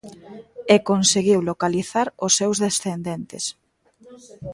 E conseguiu localizar os seus descendentes.